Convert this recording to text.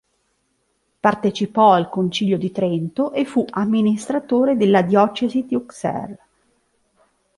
Partecipò al Concilio di Trento e fu amministratore della diocesi di Auxerre.